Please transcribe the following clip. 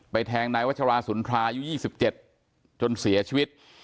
แทงนายวัชราสุนทรายุ๒๗จนเสียชีวิต